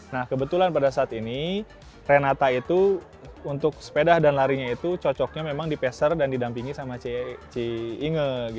nah kebetulan pada saat ini renata itu untuk sepeda dan larinya itu cocoknya memang dipeser dan didampingi sama ci inge